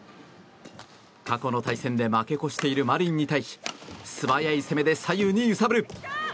過去の対戦で負け越しているマリンに対し素早い攻めで左右に揺さぶる。